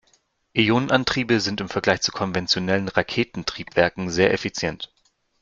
Ionenantriebe sind im Vergleich zu konventionellen Raketentriebwerken sehr effizient.